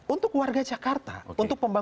untuk warga jakarta